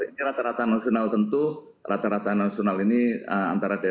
ini rata rata nasional tentu rata rata nasional ini antara daerah